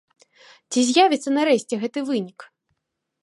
Ці з'явіцца нарэшце гэты вынік?